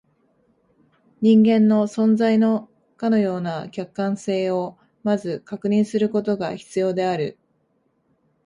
人間の存在のかような客観性を先ず確認することが必要である。